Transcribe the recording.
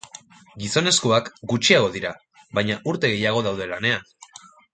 Gizonezkoak gutxiago dira, baina urte gehiago daude lanean.